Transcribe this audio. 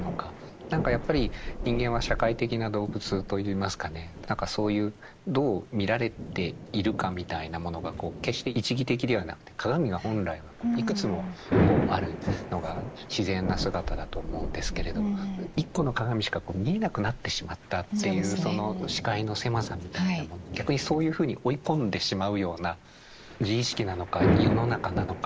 何かやっぱり人間は社会的な動物といいますかねそういうどう見られているかみたいなものがこう決して一義的ではなくて鏡が本来はいくつもあるのが自然な姿だと思うんですけれど一個の鏡しか見えなくなってしまったっていうその視界の狭さみたいなもの逆にそういうふうに追い込んでしまうような自意識なのか世の中なのか。